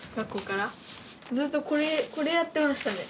ずっとこれやってましたね